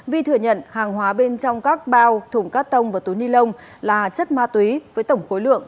vi thừa nhận hàng hóa bên trong các bao thủng cát tông và túi ni lông là chất ma túy với tổng khối lượng bảy mươi bảy kg